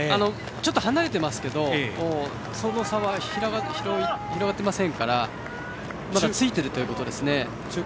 ちょっと離れていますけどもその差は広がっていませんからまだついているということですね。